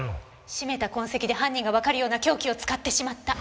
絞めた痕跡で犯人がわかるような凶器を使ってしまった。